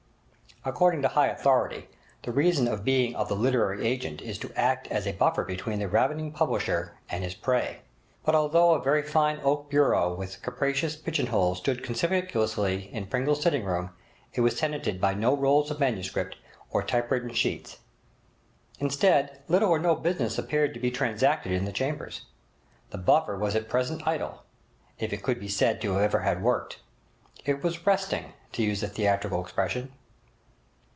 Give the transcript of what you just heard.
According to high authority, the reason of being of the literary agent is to act as a buffer between the ravening publisher and his prey. But although a very fine oak bureau with capacious pigeon holes stood conspicuously in Pringle's sitting room, it was tenanted by no rolls of MS, or type written sheets. Indeed, little or no business appeared to be transacted in the chambers. The buffer was at present idle, if it could be said to have ever worked! It was 'resting' to use the theatrical expression.